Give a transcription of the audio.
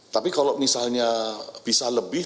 tapi kalau misalnya bisa lebih